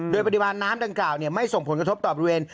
โดยปริมาณน้ำดังกล่าวไม่ส่งผลกระทบต่อบริเวณ